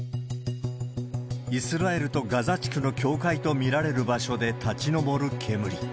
イスラエルとガザ地区の境界と見られる場所で立ち上る煙。